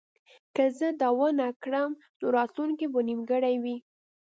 که زه دا ونه کړم نو راتلونکی به نیمګړی وي